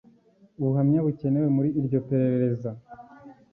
ubuhamya bukenewe muri iryo perereza